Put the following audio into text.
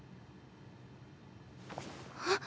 あっ。